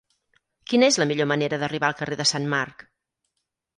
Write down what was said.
Quina és la millor manera d'arribar al carrer de Sant Marc?